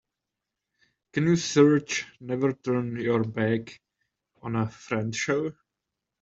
Can you search Never Turn Your Back on a Friend show?